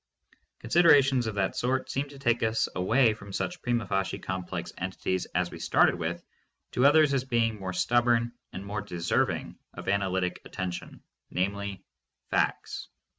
Considerations of that sort seem to take us away from such prima facie complex entities as we started with to others as being more stubborn and more deserving of ana lytic attention, namely facts.